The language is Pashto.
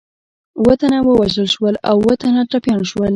اووه تنه ووژل شول او اووه تنه ټپیان شول.